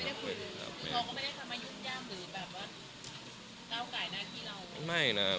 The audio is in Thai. ไม่ได้คุยคุณพ่อก็ไม่ได้ทำให้ยุคย่างหรือแบบว่าเก้าไก่หน้าที่เรา